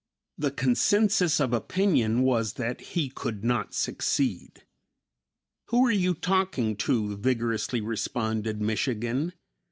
The concensus of opinion was that he could not succeed. "Who are you talking to?" vigorously responded "Michigan."